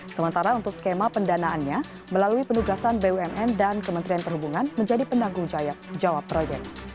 sementara untuk skema pendanaannya melalui penugasan bumn dan kementerian perhubungan menjadi penanggung jawab proyek